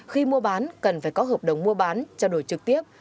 khi mua bán cần phải có hợp đồng mua bán trao đổi trực tiếp